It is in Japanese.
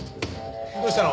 どうしたの？